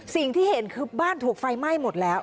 สิ่งที่เห็นคือบ้านถูกไฟไหม้หมดแล้ว